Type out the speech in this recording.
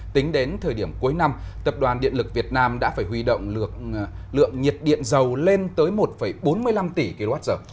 tính đến thời điểm cuối năm tập đoàn điện lực việt nam đã phải huy động lượng nhiệt điện dầu lên tới một bốn mươi năm tỷ kwh